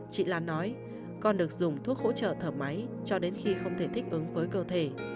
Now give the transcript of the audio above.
chị lan nói con được dùng thuốc hỗ trợ thở máy cho đến khi không thể thích ứng với cơ thể